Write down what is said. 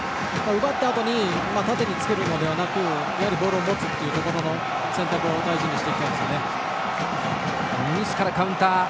奪ったあとに縦につけるのではなくボールを持つ選択を大事にしていきたいです。